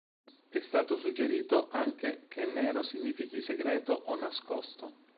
È stato suggerito anche che "nero" significhi segreto o nascosto.